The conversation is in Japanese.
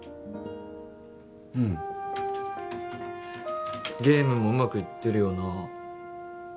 うんゲームもうまくいってるよな